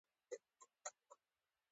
پسه کله ناکله ورک شي.